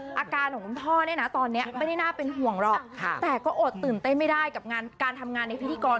อาการของคุณพ่อเนี่ยนะตอนนี้ไม่ได้น่าเป็นห่วงหรอกแต่ก็อดตื่นเต้นไม่ได้กับการทำงานในพิธีกร